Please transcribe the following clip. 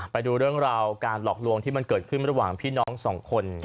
ไปดูเรื่องราวการหลอกลวงที่มันเกิดขึ้นระหว่างพี่น้องสองคน